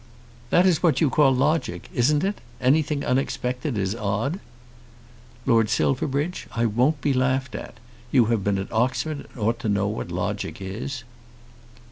"That is what you call logic; isn't it? Anything unexpected is odd!" "Lord Silverbridge, I won't be laughed at. You have been at Oxford and ought to know what logic is."